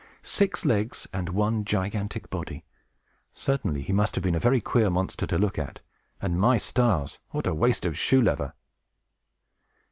Six legs, and one gigantic body! Certainly, he must have been a very queer monster to look at; and, my stars, what a waste of shoe leather!